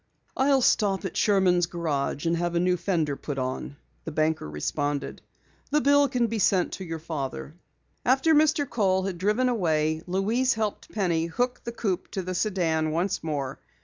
"I'll stop at Sherman's Garage and have a new fender put on," the banker responded. "The bill can be sent to your father." After Mr. Kohl had driven away, Louise helped Penny hook the coupe to the sedan once more.